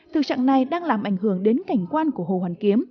thực trạng này đang làm ảnh hưởng đến cảnh quan của hồ hoàn kiếm